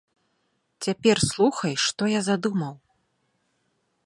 Цяпер слухай, што я задумаў.